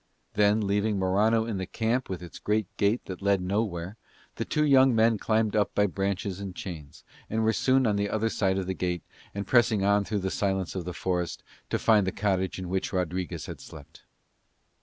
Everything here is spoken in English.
Then, leaving Morano in the camp with its great gate that led nowhere, the two young men climbed up by branches and chains, and were soon on the other side of the gate and pressing on through the silence of the forest to find the cottage in which Rodriguez had slept.